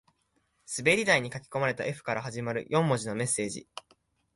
滑り台に書き込まれた Ｆ から始まる四文字のメッセージ